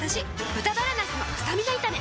「豚バラなすのスタミナ炒め」